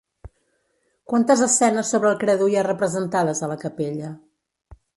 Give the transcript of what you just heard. Quantes escenes sobre el credo hi ha representades a la capella?